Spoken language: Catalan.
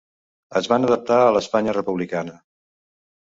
Es van adaptar a l'Espanya republicana.